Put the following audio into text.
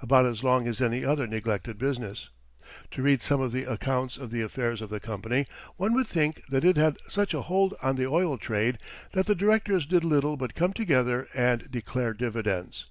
About as long as any other neglected business. To read some of the accounts of the affairs of the company, one would think that it had such a hold on the oil trade that the directors did little but come together and declare dividends.